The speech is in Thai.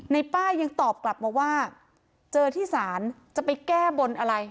ป้ายังตอบกลับมาว่าเจอที่ศาลจะไปแก้บนอะไร